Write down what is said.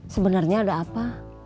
sebenernya ada apa